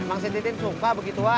emang si tintin sumpah begituan